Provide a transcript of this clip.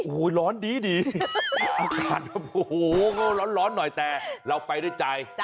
โอ้โหร้อนดีอากาศโอ้โหก็ร้อนหน่อยแต่เราไปด้วยใจ